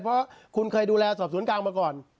เพราะคุณเคยดูแลสอบสวนกลางมาก่อน